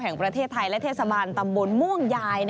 แห่งประเทศไทยและเทศบาลตำบลม่วงยาย